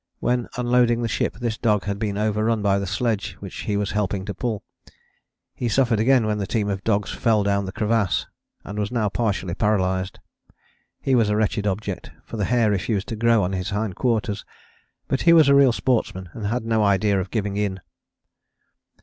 When unloading the ship this dog had been overrun by the sledge which he was helping to pull; he suffered again when the team of dogs fell down the crevasse, and was now partially paralysed. He was a wretched object, for the hair refused to grow on his hind quarters, but he was a real sportsman and had no idea of giving in.